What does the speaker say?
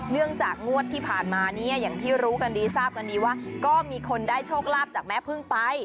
เนื่องจากงวดที่ผ่านมาเนี่ยอย่างที่รู้กันดีทราบกันดีว่าก็มีคนได้โชคลาภจากแม่พึ่งไป